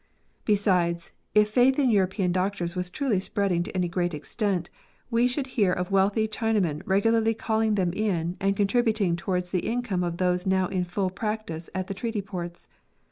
Besides, if faith in European doctors was truly spreading to any great extent, we should hear of wealthy Chinamen regularly calling them in and contributing towards the income of those now in full practice at the Treaty ports.